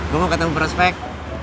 gue mau ketemu prospek